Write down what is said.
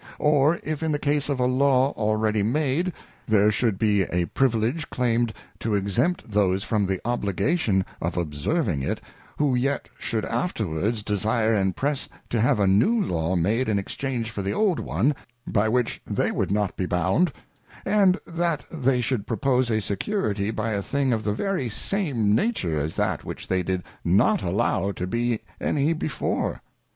Or if in the case of a Law already made, there should be a privilege claimed to exempt those from the obligation of observing it, who yet should afterwards desire and press to have a new Law made in exchange for the old one, by which they would not be bound ; and that they should propose a security by a thing of the very same nature as that which they did not allow to be any before.